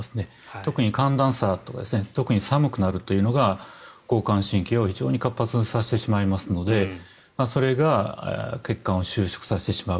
特に寒暖差とか特に寒くなるというのが交感神経を非常に活発にさせてしまいますのでそれが血管を収縮させてしまう。